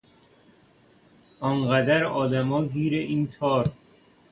انقدرآدما گیر این تار